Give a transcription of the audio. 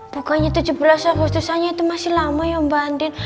bukannya tujuh belas agustusannya itu masih lama ya mbak andien